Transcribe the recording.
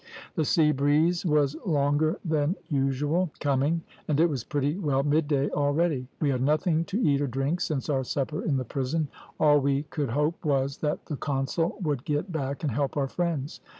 The sea breeze was longer than usual coming, and it was pretty well mid day already. We had nothing to eat or drink since our supper in the prison. All we could hope was that the consul would get back and help our friends.